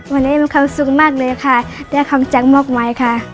วันนี้มีความสุขมากเลยค่ะได้คำจังมากมายค่ะ